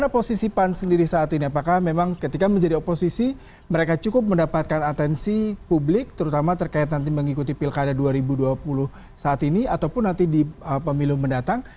bagaimana posisi pan sendiri saat ini apakah memang ketika menjadi oposisi mereka cukup mendapatkan atensi publik terutama terkait nanti mengikuti pilkada dua ribu dua puluh saat ini ataupun nanti di pemilu mendatang